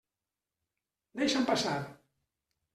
Deixa'm passar.